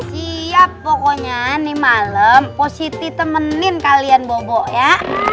siap pokoknya ini malam posisi temenin kalian bobo ya